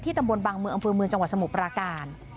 ตำบลบางเมืองอำเภอเมืองจังหวัดสมุทรปราการ